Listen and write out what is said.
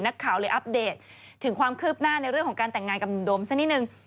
นักข่าวเลยอัปเดตถึงความคืบหน้าในเรื่องของการแต่งงานกับหนุ่มโดมสักนิดนึง